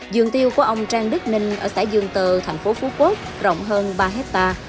giường tiêu của ông trang đức ninh ở xã dương tờ thành phố phú quốc rộng hơn ba ha